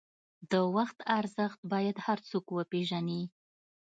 د وخت ارزښت باید هر څوک وپېژني.